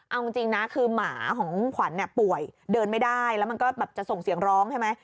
เอาจริงนะคือหมาของขวัญป่วยเดินไม่ได้แล้วมันก็แบบจะส่งเสียงร้องใช่ไหม